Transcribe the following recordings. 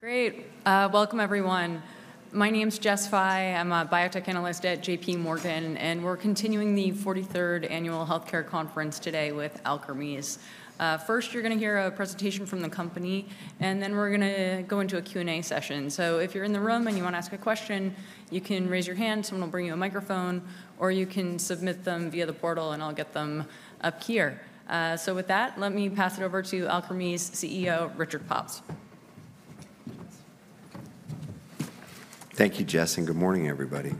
Great. Welcome, everyone. My name's Jess Fye. I'm a biotech analyst at J.P. Morgan, and we're continuing the 43rd Annual Healthcare Conference today with Alkermes. First, you're going to hear a presentation from the company, and then we're going to go into a Q&A session, so if you're in the room and you want to ask a question, you can raise your hand. Someone will bring you a microphone, or you can submit them via the portal, and I'll get them up here, so with that, let me pass it over to Alkermes CEO, Richard Pops. Thank you, Jess, and good morning, everybody.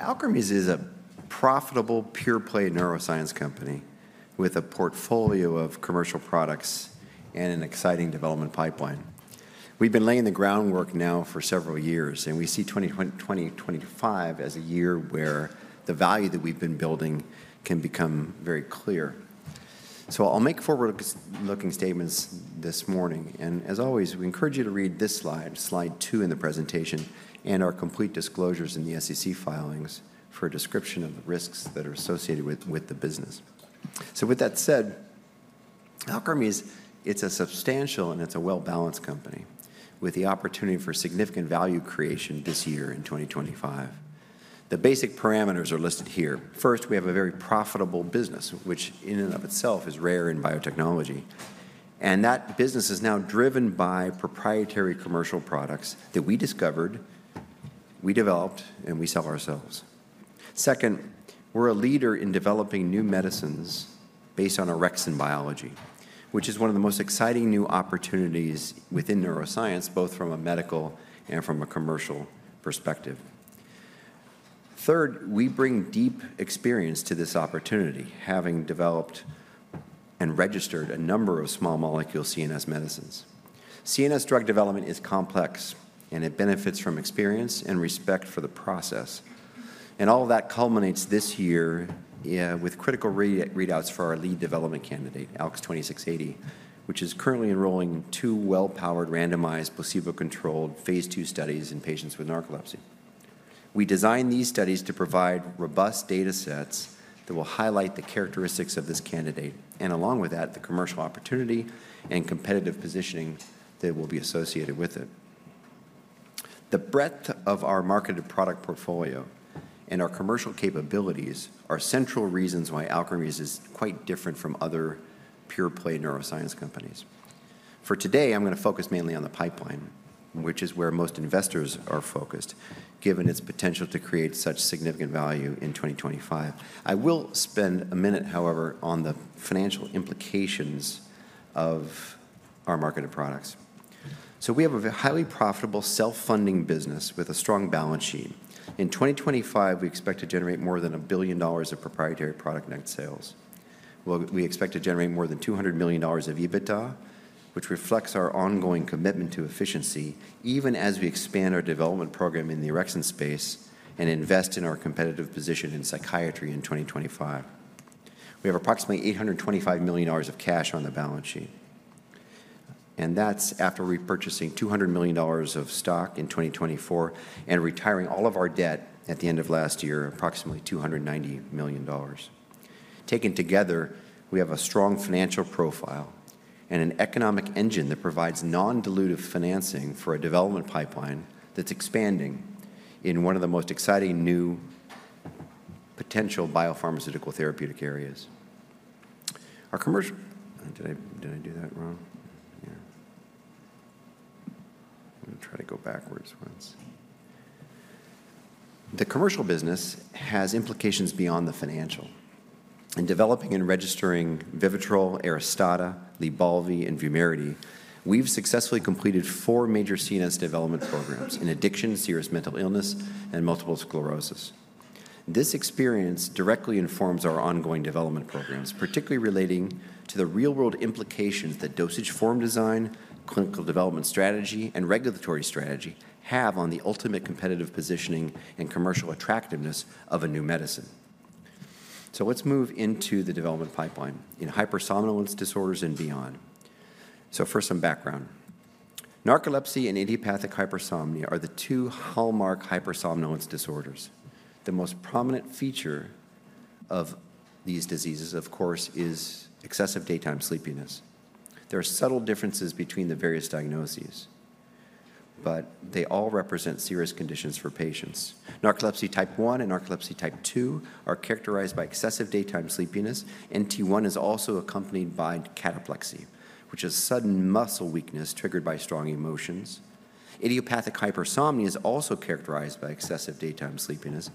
Alkermes is a profitable pure-play neuroscience company with a portfolio of commercial products and an exciting development pipeline. We've been laying the groundwork now for several years, and we see 2025 as a year where the value that we've been building can become very clear. I'll make forward-looking statements this morning. As always, we encourage you to read this slide, slide two in the presentation, and our complete disclosures in the SEC filings for a description of the risks that are associated with the business. With that said, Alkermes is a substantial and well-balanced company with the opportunity for significant value creation this year in 2025. The basic parameters are listed here. First, we have a very profitable business, which in and of itself is rare in biotechnology. That business is now driven by proprietary commercial products that we discovered, we developed, and we sell ourselves. Second, we're a leader in developing new medicines based on orexin biology, which is one of the most exciting new opportunities within neuroscience, both from a medical and from a commercial perspective. Third, we bring deep experience to this opportunity, having developed and registered a number of small molecule CNS medicines. CNS drug development is complex, and it benefits from experience and respect for the process. All of that culminates this year with critical readouts for our lead development candidate, ALKS 2680, which is currently enrolling two well-powered, randomized, placebo-controlled phase II studies in patients with narcolepsy. We designed these studies to provide robust data sets that will highlight the characteristics of this candidate and, along with that, the commercial opportunity and competitive positioning that will be associated with it. The breadth of our marketed product portfolio and our commercial capabilities are central reasons why Alkermes is quite different from other pure-play neuroscience companies. For today, I'm going to focus mainly on the pipeline, which is where most investors are focused, given its potential to create such significant value in 2025. I will spend a minute, however, on the financial implications of our marketed products. So we have a highly profitable self-funding business with a strong balance sheet. In 2025, we expect to generate more than $1 billion of proprietary product net sales. We expect to generate more than $200 million of EBITDA, which reflects our ongoing commitment to efficiency, even as we expand our development program in the orexin space and invest in our competitive position in psychiatry in 2025. We have approximately $825 million of cash on the balance sheet. And that's after repurchasing $200 million of stock in 2024 and retiring all of our debt at the end of last year, approximately $290 million. Taken together, we have a strong financial profile and an economic engine that provides non-dilutive financing for a development pipeline that's expanding in one of the most exciting new potential biopharmaceutical therapeutic areas. Our commercial—did I do that wrong? Yeah. I'm going to try to go backwards once. The commercial business has implications beyond the financial. In developing and registering VIVITROL, ARISTADA, LYBALVI, and VUMERITY we've successfully completed four major CNS development programs in addiction, serious mental illness, and multiple sclerosis. This experience directly informs our ongoing development programs, particularly relating to the real-world implications that dosage form design, clinical development strategy, and regulatory strategy have on the ultimate competitive positioning and commercial attractiveness of a new medicine. So let's move into the development pipeline in hypersomnolence disorders and beyond. So first, some background. Narcolepsy and idiopathic hypersomnia are the two hallmark hypersomnolence disorders. The most prominent feature of these diseases, of course, is excessive daytime sleepiness. There are subtle differences between the various diagnoses, but they all represent serious conditions for patients. Narcolepsy type 1 and narcolepsy type 2 are characterized by excessive daytime sleepiness, and type 1 is also accompanied by cataplexy, which is sudden muscle weakness triggered by strong emotions. Idiopathic hypersomnia is also characterized by excessive daytime sleepiness,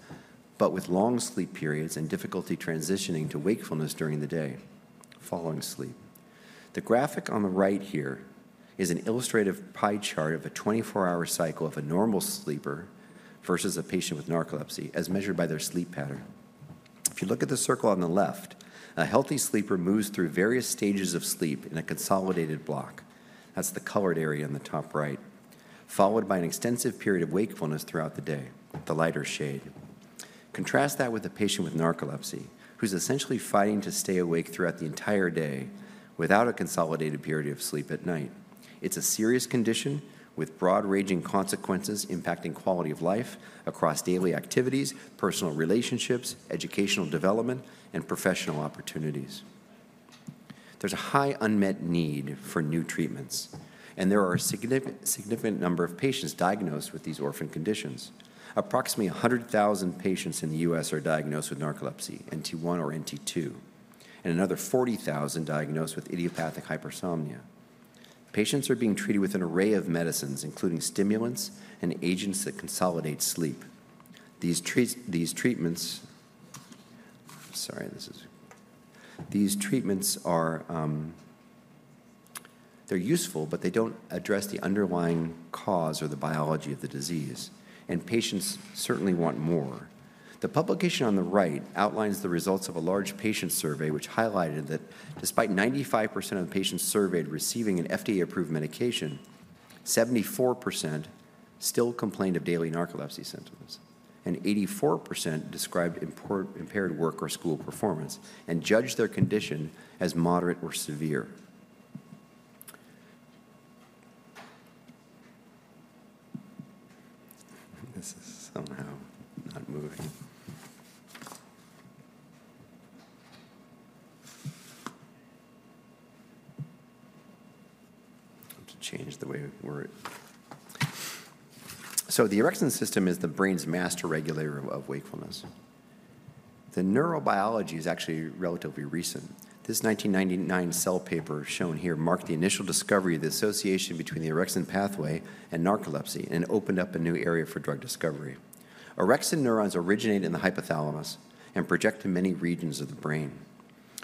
but with long sleep periods and difficulty transitioning to wakefulness during the day following sleep. The graphic on the right here is an illustrative pie chart of a 24-hour cycle of a normal sleeper versus a patient with narcolepsy as measured by their sleep pattern. If you look at the circle on the left, a healthy sleeper moves through various stages of sleep in a consolidated block. That's the colored area in the top right, followed by an extensive period of wakefulness throughout the day, the lighter shade. Contrast that with a patient with narcolepsy who's essentially fighting to stay awake throughout the entire day without a consolidated period of sleep at night. It's a serious condition with broad-ranging consequences impacting quality of life across daily activities, personal relationships, educational development, and professional opportunities. There's a high unmet need for new treatments, and there are a significant number of patients diagnosed with these orphan conditions. Approximately 100,000 patients in the U.S. are diagnosed with narcolepsy, NT1 or NT2, and another 40,000 diagnosed with idiopathic hypersomnia. Patients are being treated with an array of medicines, including stimulants and agents that consolidate sleep. These treatments, sorry, this is, these treatments are useful, but they don't address the underlying cause or the biology of the disease, and patients certainly want more. The publication on the right outlines the results of a large patient survey, which highlighted that despite 95% of the patients surveyed receiving an FDA-approved medication, 74% still complained of daily narcolepsy symptoms, and 84% described impaired work or school performance and judged their condition as moderate or severe. This is somehow not moving. I'll have to change the way we're—so the orexin system is the brain's master regulator of wakefulness. The neurobiology is actually relatively recent. This 1999 cell paper shown here marked the initial discovery of the association between the orexin pathway and narcolepsy and opened up a new area for drug discovery. Orexin neurons originate in the hypothalamus and project to many regions of the brain.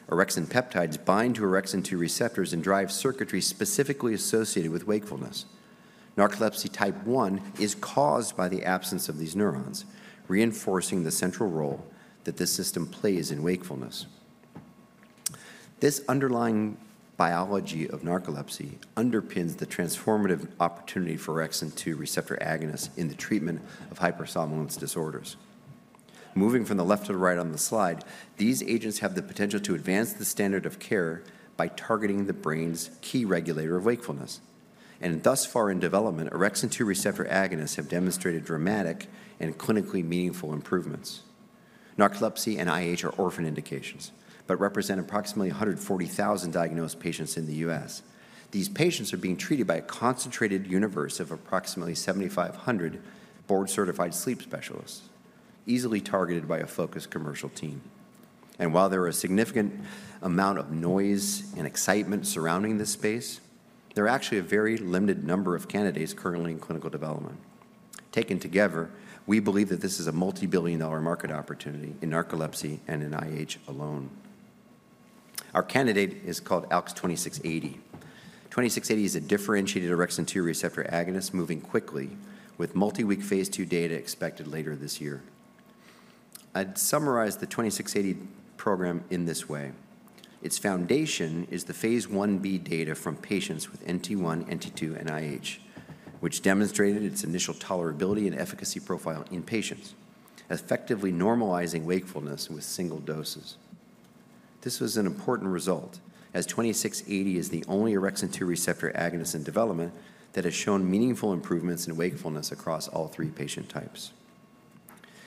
Orexin peptides bind to orexin 2 receptors and drive circuitry specifically associated with wakefulness. Narcolepsy type 1 is caused by the absence of these neurons, reinforcing the central role that this system plays in wakefulness. This underlying biology of narcolepsy underpins the transformative opportunity for orexin 2 receptor agonist in the treatment of hypersomnolence disorders. Moving from the left to the right on the slide, these agents have the potential to advance the standard of care by targeting the brain's key regulator of wakefulness, and thus far in development, orexin 2 receptor agonist have demonstrated dramatic and clinically meaningful improvements. Narcolepsy and IH are orphan indications, but represent approximately 140,000 diagnosed patients in the U.S. These patients are being treated by a concentrated universe of approximately 7,500 board-certified sleep specialists, easily targeted by a focused commercial team. And while there are a significant amount of noise and excitement surrounding this space, there are actually a very limited number of candidates currently in clinical development. Taken together, we believe that this is a multi-billion-dollar market opportunity in narcolepsy and in IH alone. Our candidate is called ALKS 2680. ALKS 2680 is a differentiated orexin 2 receptor agonist moving quickly, with multi-week phase II data expected later this year. I'd summarize the ALKS 2680 program in this way. Its foundation is the phase I-B data from patients with NT1, NT2, and IH, which demonstrated its initial tolerability and efficacy profile in patients, effectively normalizing wakefulness with single doses. This was an important result, as ALKS 2680 is the only orexin 2 receptor agonist in development that has shown meaningful improvements in wakefulness across all three patient types.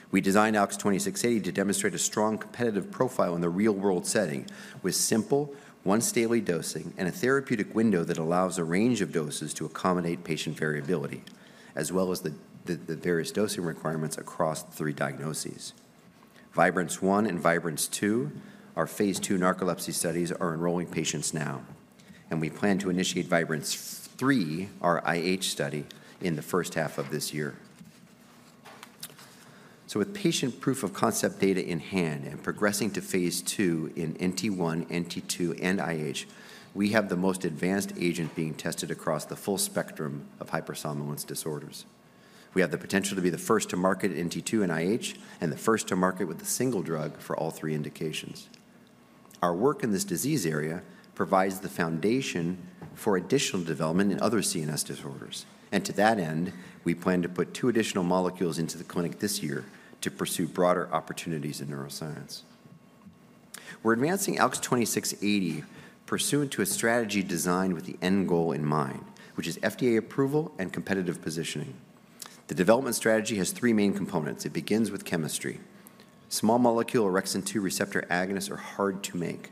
We designed ALKS 2680 to demonstrate a strong competitive profile in the real-world setting with simple, once-daily dosing and a therapeutic window that allows a range of doses to accommodate patient variability, as well as the various dosing requirements across three diagnoses. Vibrance-1 and Vibrance-2 are phase II narcolepsy studies enrolling patients now, and we plan to initiate Vibrance-3 our IH study, in the first half of this year. So with patient proof of concept data in hand and progressing to phase II in NT1, NT2, and IH, we have the most advanced agent being tested across the full spectrum of hypersomnolence disorders. We have the potential to be the first to market NT2 and IH and the first to market with a single drug for all three indications. Our work in this disease area provides the foundation for additional development in other CNS disorders. And to that end, we plan to put two additional molecules into the clinic this year to pursue broader opportunities in neuroscience. We're advancing ALKS 2680 pursuant to a strategy designed with the end goal in mind, which is FDA approval and competitive positioning. The development strategy has three main components. It begins with chemistry. Small molecule orexin 2 receptor agonist are hard to make,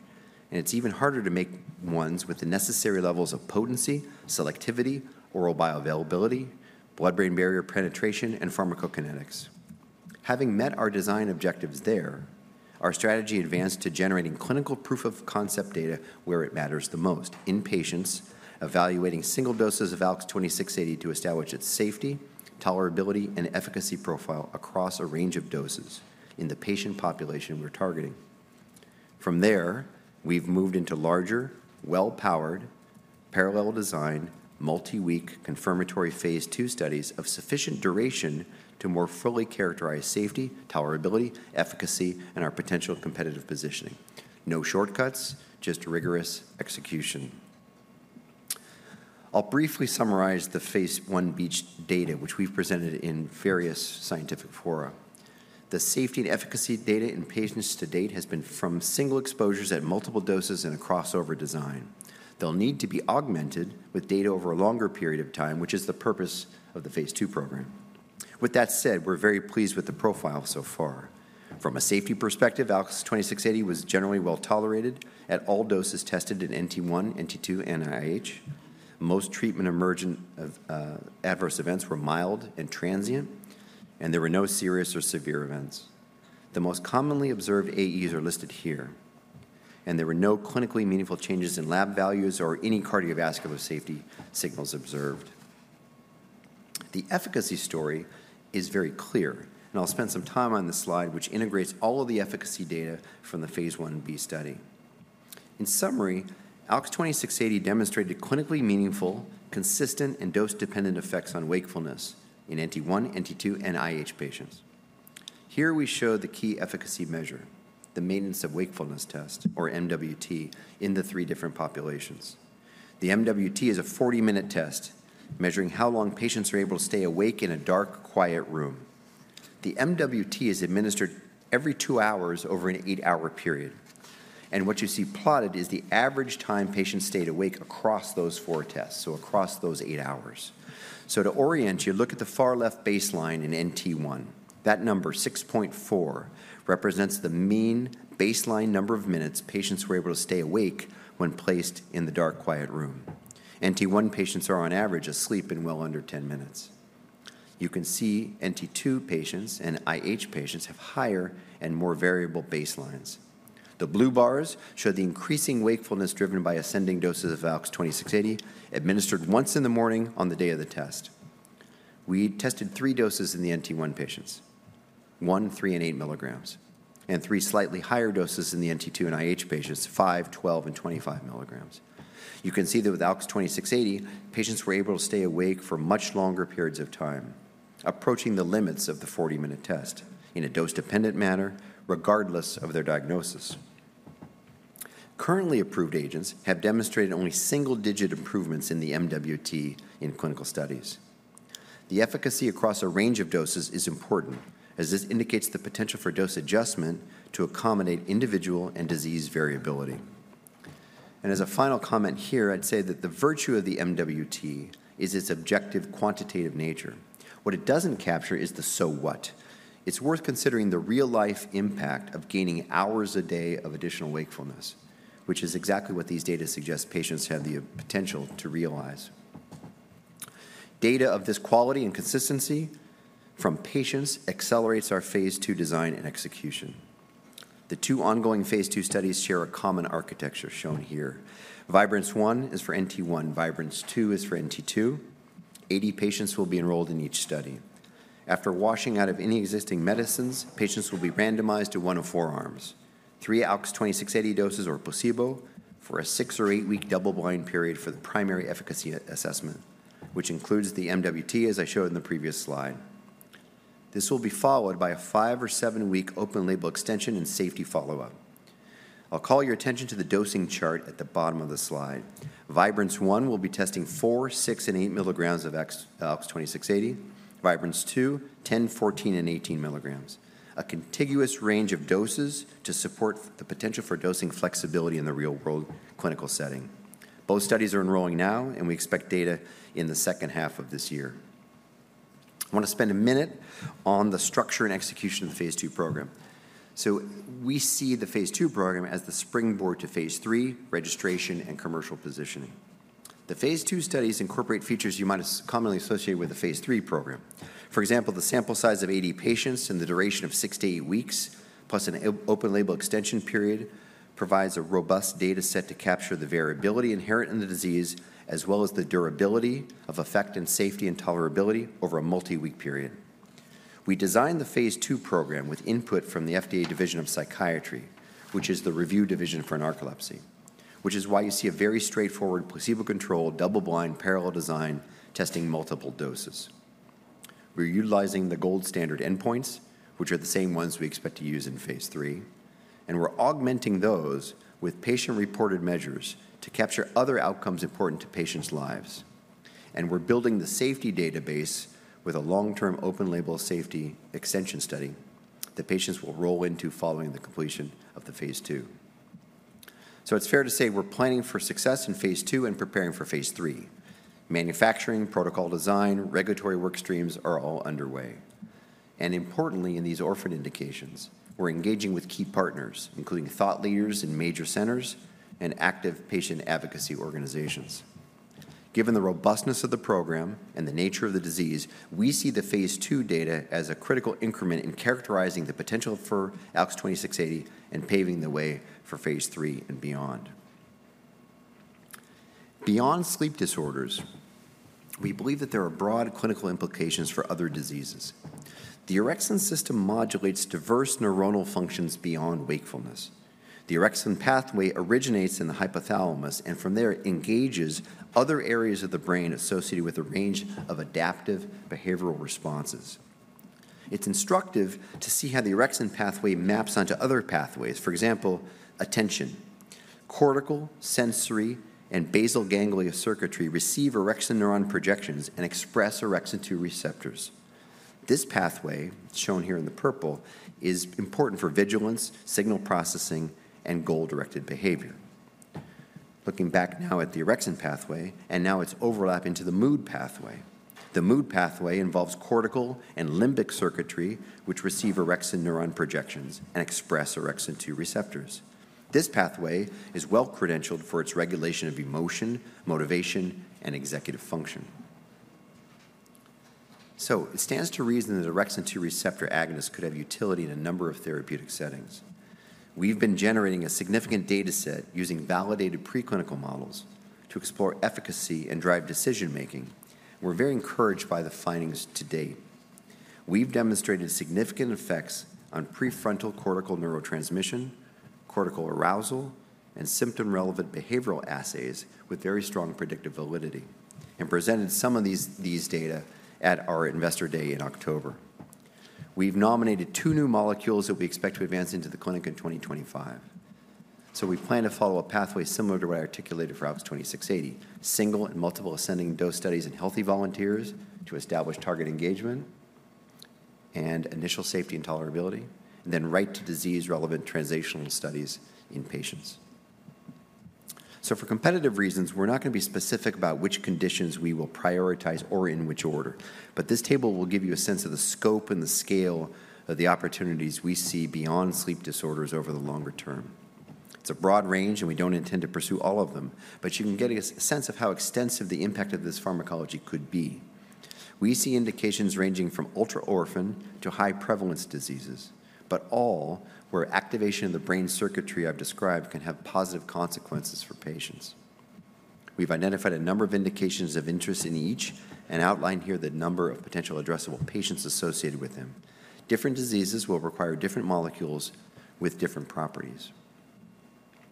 and it's even harder to make ones with the necessary levels of potency, selectivity, oral bioavailability, blood-brain barrier penetration, and pharmacokinetics. Having met our design objectives there, our strategy advanced to generating clinical proof of concept data where it matters the most in patients, evaluating single doses of ALKS 2680 to establish its safety, tolerability, and efficacy profile across a range of doses in the patient population we're targeting. From there, we've moved into larger, well-powered, parallel design, multi-week confirmatory phase II studies of sufficient duration to more fully characterize safety, tolerability, efficacy, and our potential competitive positioning. No shortcuts, just rigorous execution. I'll briefly summarize the phase I PK data, which we've presented in various scientific fora. The safety and efficacy data in patients to date has been from single exposures at multiple doses and a crossover design. They'll need to be augmented with data over a longer period of time, which is the purpose of the phase II program. With that said, we're very pleased with the profile so far. From a safety perspective, ALKS 2680 was generally well tolerated at all doses tested in NT1, NT2, and IH. Most treatment emergent adverse events were mild and transient, and there were no serious or severe events. The most commonly observed AEs are listed here, and there were no clinically meaningful changes in lab values or any cardiovascular safety signals observed. The efficacy story is very clear, and I'll spend some time on the slide, which integrates all of the efficacy data from the phase I-B study. In summary, ALKS 2680 demonstrated clinically meaningful, consistent, and dose-dependent effects on wakefulness in NT1, NT2, and IH patients. Here we show the key efficacy measure, the Maintenance of Wakefulness Test or MWT, in the three different populations. The MWT is a 40-minute test measuring how long patients are able to stay awake in a dark, quiet room. The MWT is administered every two hours over an eight-hour period, and what you see plotted is the average time patients stayed awake across those four tests, so across those eight hours. So to orient, you look at the far left baseline in NT1. That number, 6.4, represents the mean baseline number of minutes patients were able to stay awake when placed in the dark, quiet room. NT1 patients are, on average, asleep in well under 10 minutes. You can see NT2 patients and IH patients have higher and more variable baselines. The blue bars show the increasing wakefulness driven by ascending doses of ALKS 2680 administered once in the morning on the day of the test. We tested three doses in the NT1 patients, one, three, and eight milligrams, and three slightly higher doses in the NT2 and IH patients, five, twelve, and twenty-five milligrams. You can see that with ALKS 2680, patients were able to stay awake for much longer periods of time, approaching the limits of the 40-minute test in a dose-dependent manner, regardless of their diagnosis. Currently approved agents have demonstrated only single-digit improvements in the MWT in clinical studies. The efficacy across a range of doses is important, as this indicates the potential for dose adjustment to accommodate individual and disease variability, and as a final comment here, I'd say that the virtue of the MWT is its objective quantitative nature. What it doesn't capture is the so what. It's worth considering the real-life impact of gaining hours a day of additional wakefulness, which is exactly what these data suggest patients have the potential to realize. Data of this quality and consistency from patients accelerates our phase II design and execution. The two ongoing phase II studies share a common architecture shown here. Vibrance-1 is for NT1. Vibrance-2 is for NT2. Eighty patients will be enrolled in each study. After washing out of any existing medicines, patients will be randomized to one of four arms: three ALKS 2680 doses or placebo for a six- or eight-week double-blind period for the primary efficacy assessment, which includes the MWT, as I showed in the previous slide. This will be followed by a five- or seven-week open-label extension and safety follow-up. I'll call your attention to the dosing chart at the bottom of the slide. Vibrance-1 will be testing 4mg, 6mg, and 8mg of ALKS 2680. Vibrance-2, 10mg, 14mg, and 18mg A contiguous range of doses to support the potential for dosing flexibility in the real-world clinical setting. Both studies are enrolling now, and we expect data in the second half of this year. I want to spend a minute on the structure and execution of the phase II program. So we see the phase II program as the springboard to phase III, registration, and commercial positioning. The phase II studies incorporate features you might have commonly associated with the phase III program. For example, the sample size of 80 patients and the duration of 6-8 weeks, plus an open-label extension period, provides a robust data set to capture the variability inherent in the disease, as well as the durability of effect and safety and tolerability over a multi-week period. We designed the phase II program with input from the FDA Division of Psychiatry, which is the review division for narcolepsy, which is why you see a very straightforward placebo-controlled double-blind parallel design testing multiple doses. We're utilizing the gold standard endpoints, which are the same ones we expect to use in phase III, and we're augmenting those with patient-reported measures to capture other outcomes important to patients' lives. And we're building the safety database with a long-term open-label safety extension study that patients will roll into following the completion of the phase II. So it's fair to say we're planning for success in phase II and preparing for phase III. Manufacturing, protocol design, regulatory work streams are all underway. And importantly, in these orphan indications, we're engaging with key partners, including thought leaders in major centers and active patient advocacy organizations. Given the robustness of the program and the nature of the disease, we see the phase II data as a critical increment in characterizing the potential for ALKS 2680 and paving the way for phase III and beyond. Beyond sleep disorders, we believe that there are broad clinical implications for other diseases. The orexin system modulates diverse neuronal functions beyond wakefulness. The orexin pathway originates in the hypothalamus and from there engages other areas of the brain associated with a range of adaptive behavioral responses. It's instructive to see how the orexin pathway maps onto other pathways. For example, attention. Cortical, sensory, and basal ganglia circuitry receive orexin neuron projections and express orexin 2 receptors. This pathway, shown here in the purple, is important for vigilance, signal processing, and goal-directed behavior. Looking back now at the orexin pathway and now its overlap into the mood pathway. The mood pathway involves cortical and limbic circuitry, which receive orexin neuron projections and express orexin 2 receptors. This pathway is well-credentialed for its regulation of emotion, motivation, and executive function. So it stands to reason that orexin 2 receptor agonist could have utility in a number of therapeutic settings. We've been generating a significant data set using validated preclinical models to explore efficacy and drive decision-making. We're very encouraged by the findings to date. We've demonstrated significant effects on prefrontal cortical neurotransmission, cortical arousal, and symptom-relevant behavioral assays with very strong predictive validity and presented some of these data at our investor day in October. We've nominated two new molecules that we expect to advance into the clinic in 2025. So we plan to follow a pathway similar to what I articulated for ALKS 2680: single and multiple ascending dose studies in healthy volunteers to establish target engagement and initial safety and tolerability, and then right-to-disease relevant translational studies in patients. So for competitive reasons, we're not going to be specific about which conditions we will prioritize or in which order, but this table will give you a sense of the scope and the scale of the opportunities we see beyond sleep disorders over the longer term. It's a broad range, and we don't intend to pursue all of them, but you can get a sense of how extensive the impact of this pharmacology could be. We see indications ranging from ultra-orphan to high-prevalence diseases, but all where activation of the brain circuitry I've described can have positive consequences for patients. We've identified a number of indications of interest in each and outlined here the number of potential addressable patients associated with them. Different diseases will require different molecules with different properties.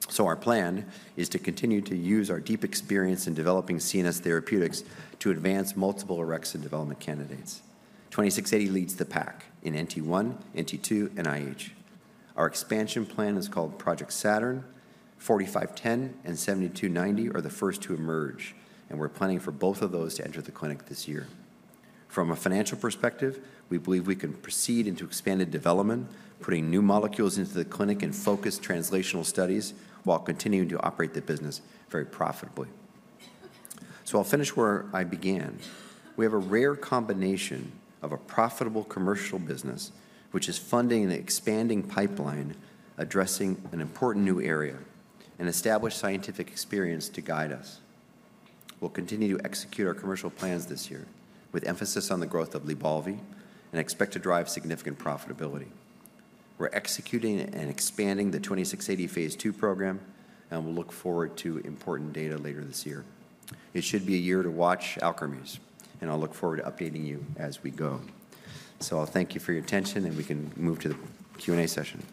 So our plan is to continue to use our deep experience in developing CNS therapeutics to advance multiple orexin development candidates. ALKS 2680 leads the pack in NT1, NT2, and IH. Our expansion plan is called Project Saturn. ALKS 4510 and ALKS 7290 are the first to emerge, and we're planning for both of those to enter the clinic this year. From a financial perspective, we believe we can proceed into expanded development, putting new molecules into the clinic and focused translational studies while continuing to operate the business very profitably. So I'll finish where I began. We have a rare combination of a profitable commercial business, which is funding an expanding pipeline addressing an important new area and established scientific experience to guide us. We'll continue to execute our commercial plans this year with emphasis on the growth of LYBALVI and expect to drive significant profitability. We're executing and expanding the ALKS 2680 phase II program, and we'll look forward to important data later this year. It should be a year to watch Alkermes, and I'll look forward to updating you as we go. So, I'll thank you for your attention, and we can move to the Q&A session.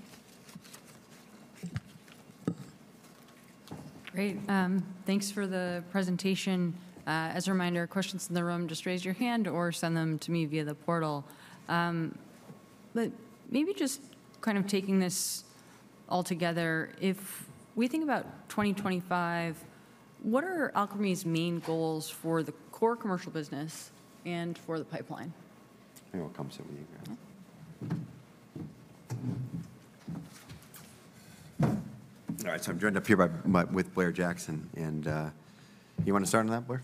Great. Thanks for the presentation. As a reminder, questions in the room, just raise your hand or send them to me via the portal. But maybe just kind of taking this all together, if we think about 2025, what are Alkermes' main goals for the core commercial business and for the pipeline? I think we'll come to it when you go. All right, so I'm joined up here with Blair Jackson, and you want to start on that, Blair?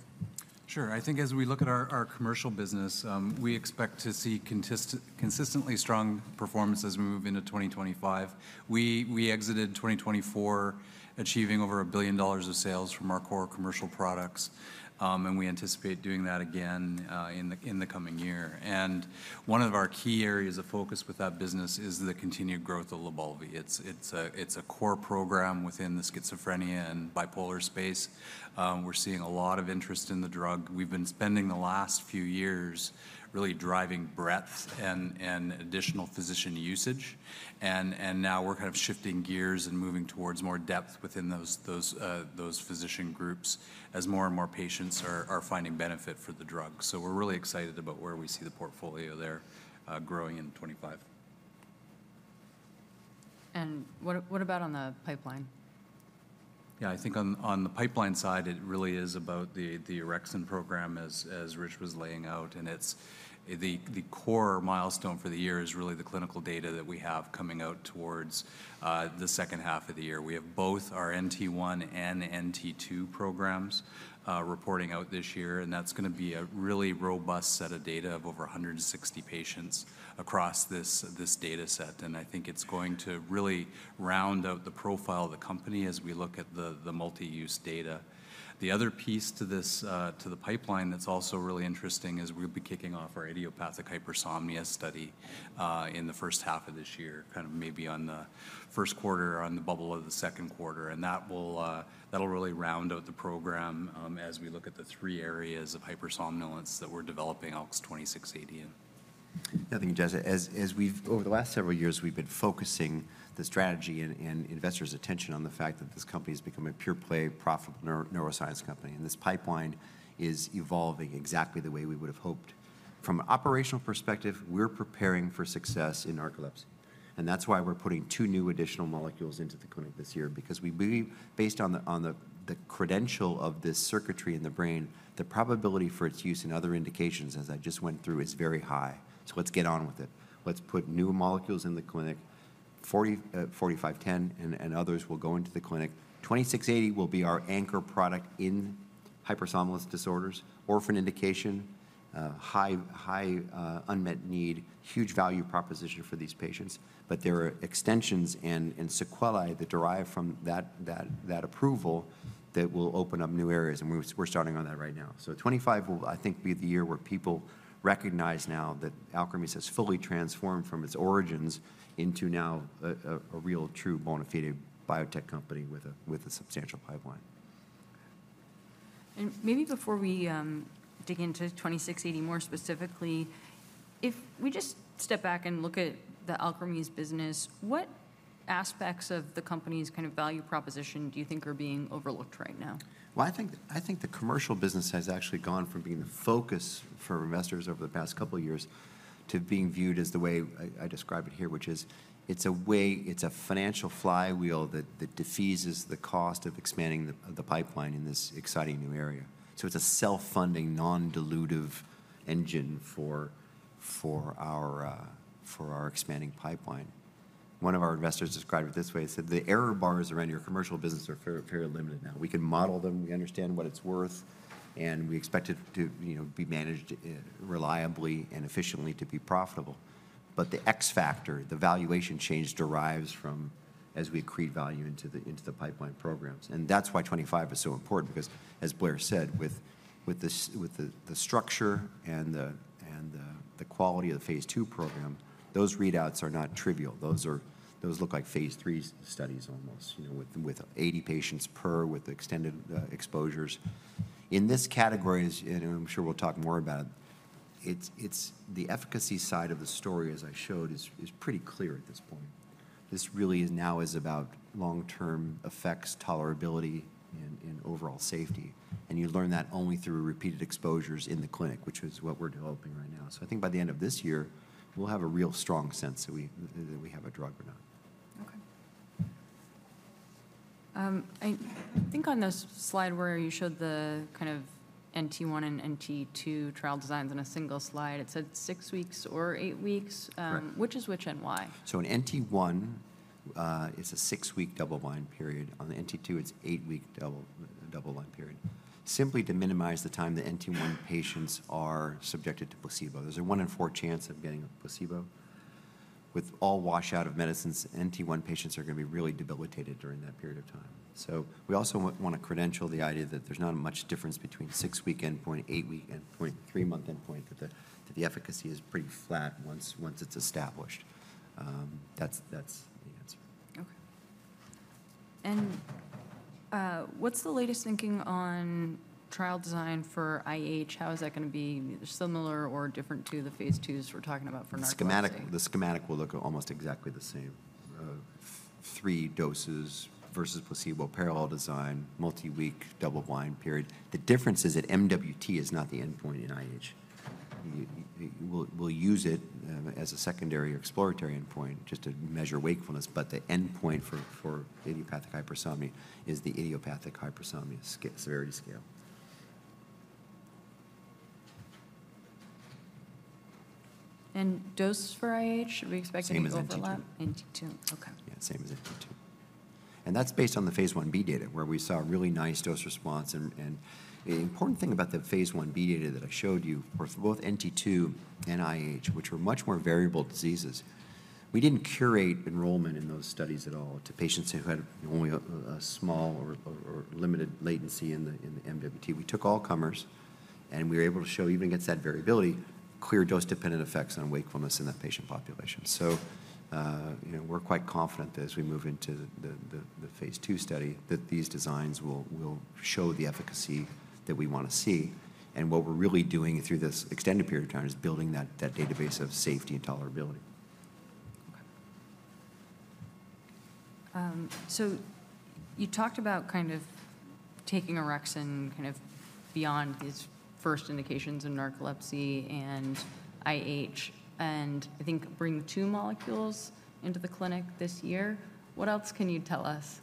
Sure. I think as we look at our commercial business, we expect to see consistently strong performance as we move into 2025. We exited 2024 achieving over $1 billion of sales from our core commercial products, and we anticipate doing that again in the coming year. And one of our key areas of focus with that business is the continued growth ofLYBALVI. It's a core program within the schizophrenia and bipolar space. We're seeing a lot of interest in the drug. We've been spending the last few years really driving breadth and additional physician usage. And now we're kind of shifting gears and moving towards more depth within those physician groups as more and more patients are finding benefit for the drug. So we're really excited about where we see the portfolio there growing in 2025. What about on the pipeline? Yeah, I think on the pipeline side, it really is about the orexin program, as Rich was laying out, and the core milestone for the year is really the clinical data that we have coming out towards the second half of the year. We have both our NT1 and NT2 programs reporting out this year, and that's going to be a really robust set of data of over 160 patients across this data set, and I think it's going to really round out the profile of the company as we look at the multi-use data. The other piece to the pipeline that's also really interesting is we'll be kicking off our idiopathic hypersomnia study in the first half of this year, kind of maybe on the Q1 or on the bubble of the Q2. That'll really round out the program as we look at the three areas of hypersomnolence that we're developing ALKS 2680 in. Yeah, thank you, Jess. Over the last several years, we've been focusing the strategy and investors' attention on the fact that this company has become a pure-play profitable neuroscience company, and this pipeline is evolving exactly the way we would have hoped. From an operational perspective, we're preparing for success in narcolepsy, and that's why we're putting two new additional molecules into the clinic this year, because we believe, based on the credential of this circuitry in the brain, the probability for its use in other indications, as I just went through, is very high, so let's get on with it. Let's put new molecules in the clinic. ALKS 4510 and others will go into the clinic. ALKS 2680 will be our anchor product in hypersomnolence disorders, orphan indication, high unmet need, huge value proposition for these patients. But there are extensions and sequelae that derive from that approval that will open up new areas. And we're starting on that right now. So 2025 will, I think, be the year where people recognize now that Alkermes has fully transformed from its origins into now a real, true bona fide biotech company with a substantial pipeline. Maybe before we dig into ALKS 2680 more specifically, if we just step back and look at the Alkermes business, what aspects of the company's kind of value proposition do you think are being overlooked right now? I think the commercial business has actually gone from being the focus for investors over the past couple of years to being viewed as the way I describe it here, which is it's a financial flywheel that deceases the cost of expanding the pipeline in this exciting new area. So it's a self-funding, non-dilutive engine for our expanding pipeline. One of our investors described it this way. He said, "The error bars around your commercial business are fairly limited now. We can model them. We understand what it's worth, and we expect it to be managed reliably and efficiently to be profitable. But the X factor, the valuation change, derives from as we accrete value into the pipeline programs." That's why 25 is so important, because, as Blair said, with the structure and the quality of the phase II program, those readouts are not trivial. Those look like phase III studies almost, with 80 patients per with extended exposures. In this category, and I'm sure we'll talk more about it, the efficacy side of the story, as I showed, is pretty clear at this point. This really now is about long-term effects, tolerability, and overall safety. And you learn that only through repeated exposures in the clinic, which is what we're developing right now. So I think by the end of this year, we'll have a real strong sense that we have a drug or not. Okay. I think on this slide where you showed the kind of NT1 and NT2 trial designs in a single slide, it said six weeks or eight weeks. Which is which and why? So in NT1, it's a six-week double-blind period. On the NT2, it's an eight-week double-blind period, simply to minimize the time that NT1 patients are subjected to placebo. There's a one-in-four chance of getting a placebo. With all washout of medicines, NT1 patients are going to be really debilitated during that period of time. So we also want to credential the idea that there's not much difference between six-week endpoint, eight-week endpoint, three-month endpoint, that the efficacy is pretty flat once it's established. That's the answer. Okay. And what's the latest thinking on trial design for IH? How is that going to be similar or different to the phase IIs we're talking about for narcolepsy? The schematic will look almost exactly the same. Three doses versus placebo, parallel design, multi-week, double-blind period. The difference is that MWT is not the endpoint in IH. We'll use it as a secondary exploratory endpoint just to measure wakefulness, but the endpoint for Idiopathic Hypersomnia is the Idiopathic Hypersomnia Severity Scale. Dose for IH, should we expect it to overlap? Same as NT2. NT2. Okay. Yeah, same as NT2. And that's based on the phase I-B data, where we saw a really nice dose-response. And the important thing about the phase I-B data that I showed you for both NT2 and IH, which were much more variable diseases, we didn't curate enrollment in those studies at all to patients who had only a small or limited latency in the MWT. We took all comers, and we were able to show, even against that variability, clear dose-dependent effects on wakefulness in that patient population. So we're quite confident that as we move into the phase II study, that these designs will show the efficacy that we want to see. And what we're really doing through this extended period of time is building that database of safety and tolerability. Okay, so you talked about kind of taking orexin kind of beyond these first indications in narcolepsy and IH and, I think, bringing two molecules into the clinic this year. What else can you tell us?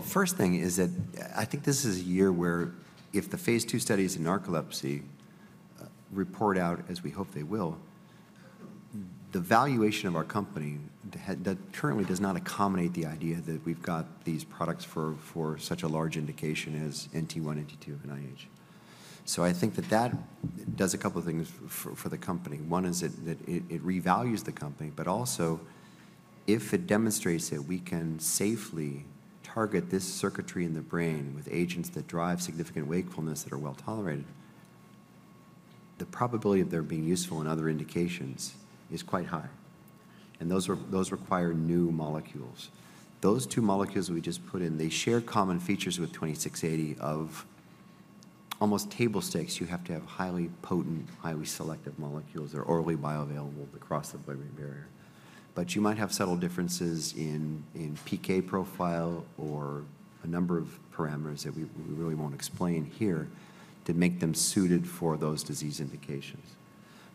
First thing is that I think this is a year where, if the phase II studies in narcolepsy report out, as we hope they will, the valuation of our company currently does not accommodate the idea that we've got these products for such a large indication as NT1, NT2, and IH. So I think that that does a couple of things for the company. One is that it revalues the company, but also, if it demonstrates that we can safely target this circuitry in the brain with agents that drive significant wakefulness that are well tolerated, the probability of their being useful in other indications is quite high. Those require new molecules. Those two molecules we just put in, they share common features with ALKS 2680 of almost table stakes. You have to have highly potent, highly selective molecules. They're orally bioavailable across the blood-brain barrier. But you might have subtle differences in PK profile or a number of parameters that we really won't explain here to make them suited for those disease indications.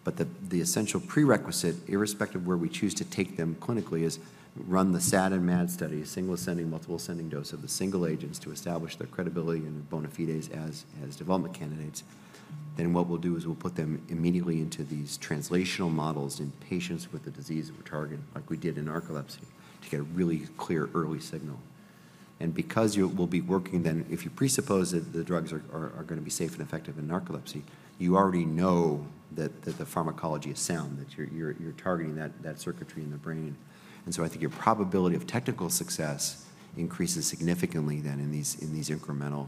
But the essential prerequisite, irrespective of where we choose to take them clinically, is run the SAD and MAD studies, a single ascending, multiple ascending dose of the single agents to establish their credibility and their bona fides as development candidates. And what we'll do is we'll put them immediately into these translational models in patients with the disease we're targeting, like we did in narcolepsy, to get a really clear early signal. And because we'll be working then, if you presuppose that the drugs are going to be safe and effective in narcolepsy, you already know that the pharmacology is sound, that you're targeting that circuitry in the brain. And so I think your probability of technical success increases significantly then in these incremental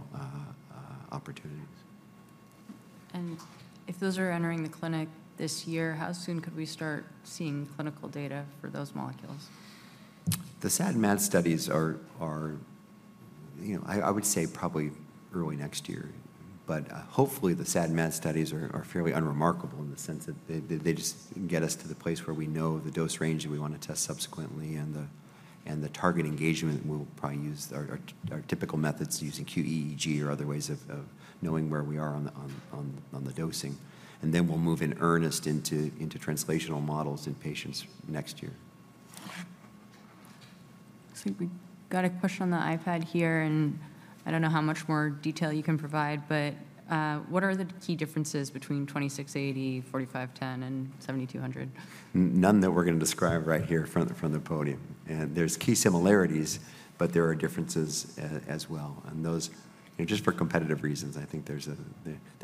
opportunities. If those are entering the clinic this year, how soon could we start seeing clinical data for those molecules? The SAD and MAD studies are, I would say, probably early next year, but hopefully, the SAD and MAD studies are fairly unremarkable in the sense that they just get us to the place where we know the dose range that we want to test subsequently and the target engagement. We'll probably use our typical methods using qEEG or other ways of knowing where we are on the dosing, and then we'll move in earnest into translational models in patients next year. Okay. So, we've got a question on the iPad here, and I don't know how much more detail you can provide, but what are the key differences between ALKS 2680, ALKS 4510, and ALKS 7290? None that we're going to describe right here from the podium. And there's key similarities, but there are differences as well. And just for competitive reasons, I think there's a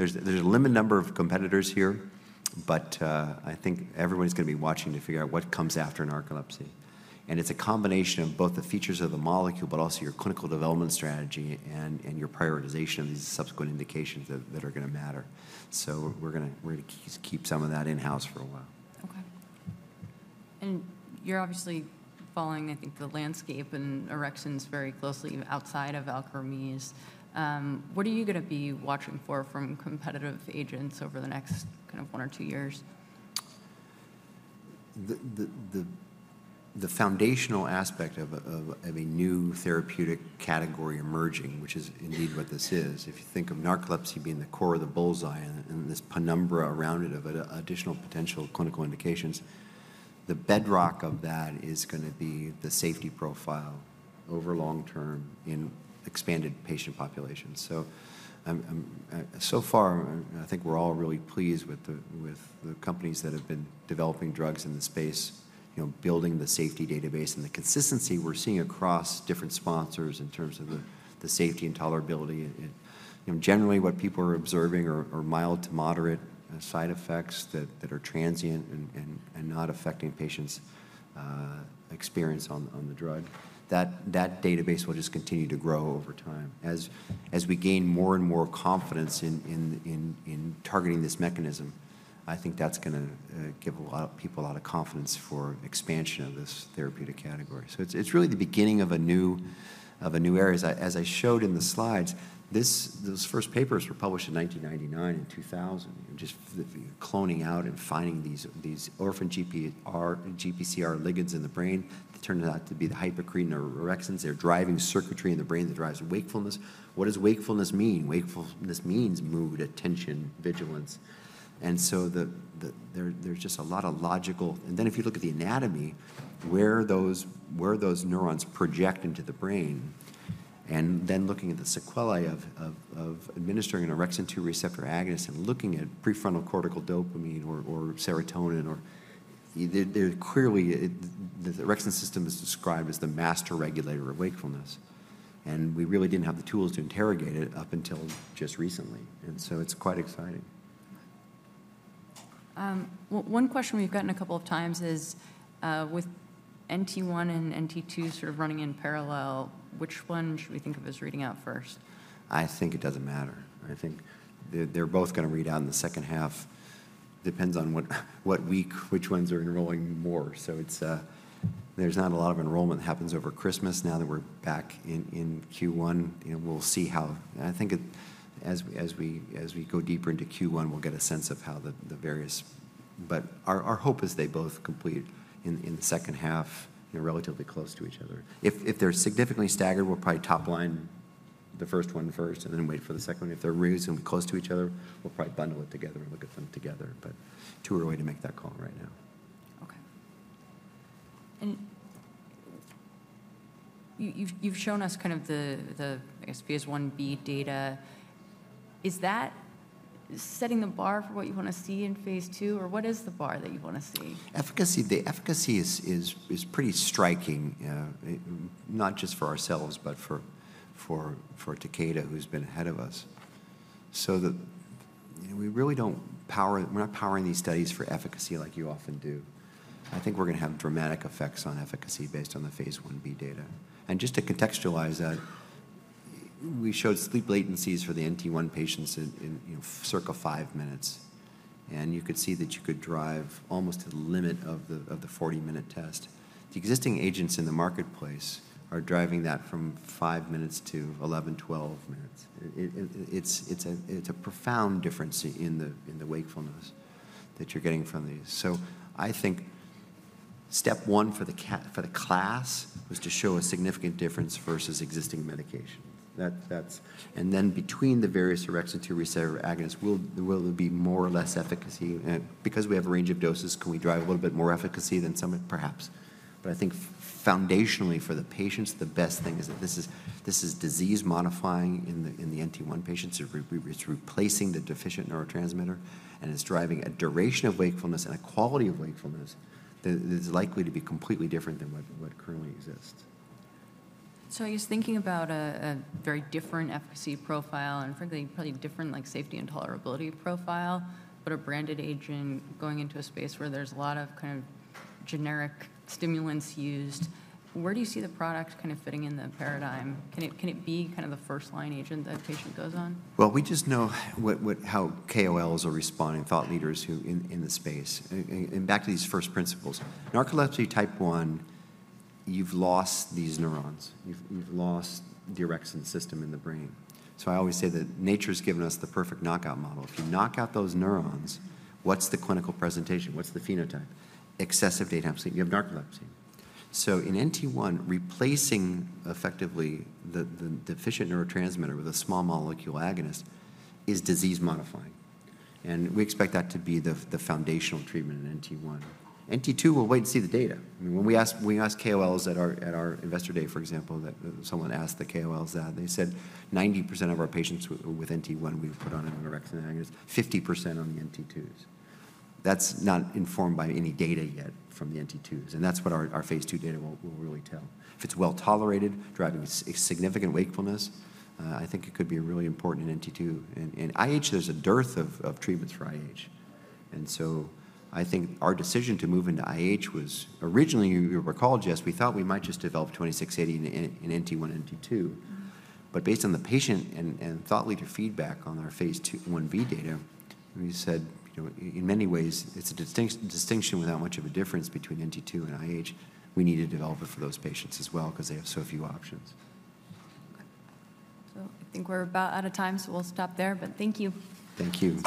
limited number of competitors here, but I think everyone's going to be watching to figure out what comes after narcolepsy. And it's a combination of both the features of the molecule, but also your clinical development strategy and your prioritization of these subsequent indications that are going to matter. So we're going to keep some of that in-house for a while. Okay. And you're obviously following, I think, the landscape in orexins very closely outside of Alkermes. What are you going to be watching for from competitive agents over the next kind of one or two years? The foundational aspect of a new therapeutic category emerging, which is indeed what this is, if you think of narcolepsy being the core of the bullseye and this penumbra around it of additional potential clinical indications, the bedrock of that is going to be the safety profile over long term in expanded patient populations. So far, I think we're all really pleased with the companies that have been developing drugs in the space, building the safety database and the consistency we're seeing across different sponsors in terms of the safety and tolerability. Generally, what people are observing are mild to moderate side effects that are transient and not affecting patients' experience on the drug. That database will just continue to grow over time. As we gain more and more confidence in targeting this mechanism, I think that's going to give people a lot of confidence for expansion of this therapeutic category. So it's really the beginning of a new area. As I showed in the slides, those first papers were published in 1999 and 2000, just cloning out and finding these orphan GPCR ligands in the brain that turned out to be the hypocretin or orexins. They're driving circuitry in the brain that drives wakefulness. What does wakefulness mean? Wakefulness means mood, attention, vigilance. And so there's just a lot of logical. And then if you look at the anatomy, where those neurons project into the brain, and then looking at the sequelae of administering an orexin 2 receptor agonist and looking at prefrontal cortical dopamine or serotonin, clearly, the orexin system is described as the master regulator of wakefulness. And we really didn't have the tools to interrogate it up until just recently. And so it's quite exciting. One question we've gotten a couple of times is, with NT1 and NT2 sort of running in parallel, which one should we think of as reading out first? I think it doesn't matter. I think they're both going to read out in the second half. Depends on which ones are enrolling more. So there's not a lot of enrollment that happens over Christmas now that we're back in Q1. We'll see how. I think as we go deeper into Q1, we'll get a sense of how the various. But our hope is they both complete in the second half, relatively close to each other. If they're significantly staggered, we'll probably top line the first one first and then wait for the second one. If they're reasonably close to each other, we'll probably bundle it together and look at them together. But too early to make that call right now. Okay. And you've shown us kind of the, I guess, phase I-B data. Is that setting the bar for what you want to see in phase II, or what is the bar that you want to see? Efficacy. The efficacy is pretty striking, not just for ourselves, but for Takeda, who's been ahead of us. So we really don't power; we're not powering these studies for efficacy like you often do. I think we're going to have dramatic effects on efficacy based on the phase I-B data. And just to contextualize that, we showed sleep latencies for the NT1 patients in circa five minutes. And you could see that you could drive almost to the limit of the 40-minute test. The existing agents in the marketplace are driving that from five minutes to 11, 12 minutes. It's a profound difference in the wakefulness that you're getting from these. So I think step one for the class was to show a significant difference versus existing medication. And then between the various orexin 2 receptor agonist, will there be more or less efficacy? Because we have a range of doses, can we drive a little bit more efficacy than some? Perhaps. But I think foundationally for the patients, the best thing is that this is disease-modifying in the NT1 patients. It's replacing the deficient neurotransmitter, and it's driving a duration of wakefulness and a quality of wakefulness that is likely to be completely different than what currently exists. So, I guess thinking about a very different efficacy profile and frankly, probably different safety and tolerability profile, but a branded agent going into a space where there's a lot of kind of generic stimulants used, where do you see the product kind of fitting in the paradigm? Can it be kind of the first-line agent that a patient goes on? We just know how KOLs are responding, thought leaders in the space. Back to these first principles. Narcolepsy type 1, you've lost these neurons. You've lost the orexin system in the brain. I always say that nature has given us the perfect knockout model. If you knock out those neurons, what's the clinical presentation? What's the phenotype? Excessive daytime sleep. You have narcolepsy. In NT1, replacing effectively the deficient neurotransmitter with a small molecule agonist is disease-modifying. We expect that to be the foundational treatment in NT1. NT2, we'll wait and see the data. When we asked KOLs at our investor day, for example, someone asked the KOLs that. They said 90% of our patients with NT1, we've put on an orexin agonist, 50% on the NT2s. That's not informed by any data yet from the NT2s. And that's what our phase II data will really tell. If it's well tolerated, driving significant wakefulness, I think it could be really important in NT2. In IH, there's a dearth of treatments for IH. And so I think our decision to move into IH was originally, you recall, Jess, we thought we might just develop ALKS 2680 in NT1, NT2. But based on the patient and thought leader feedback on our phase I-B data, we said, in many ways, it's a distinction without much of a difference between NT2 and IH. We need to develop it for those patients as well because they have so few options. Okay. So I think we're about out of time, so we'll stop there. But thank you. Thank you.